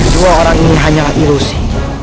dua orang ini hanyalah ilusi